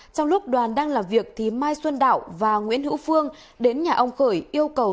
trong lúc đoàn đang làm việc thì mai xuân đạo và nguyễn hữu phương đến nhà ông khởi yêu cầu